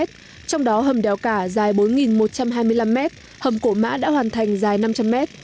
trong đó hầm đèo cả dài bốn một trăm hai mươi năm m hầm cổ mã đã hoàn thành dài năm trăm linh mét